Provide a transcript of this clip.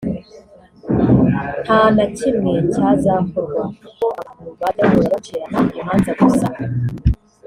nta na kimwe cyazakorwa kuko abantu bajya bahora bacirana imanza gusa